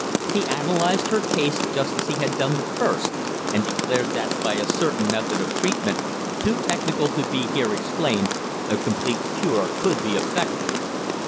He analysed her case just as he had done the first, and declared that by a certain method of treatment, too technical to be here explained, a complete cure could be effected.